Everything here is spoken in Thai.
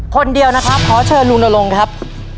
คนเดียวนะครับขอเชิญลุงนรงค์ครับ